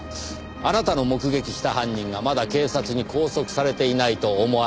あなたの目撃した犯人がまだ警察に拘束されていないと思わせるための。